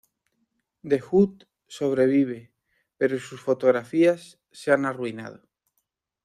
The Hood sobrevive, pero sus fotografías se han arruinado.